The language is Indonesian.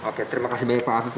oke terima kasih banyak pak asli